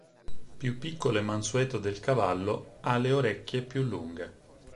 Più piccolo e mansueto del cavallo, ha le orecchie più lunghe.